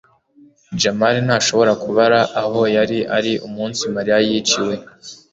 jamali ntashobora kubara aho yari ari umunsi mariya yiciwe